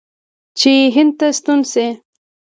چې هند ته ستون شي.